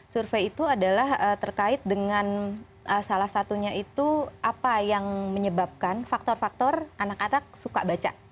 survei itu adalah terkait dengan salah satunya itu apa yang menyebabkan faktor faktor anak anak suka baca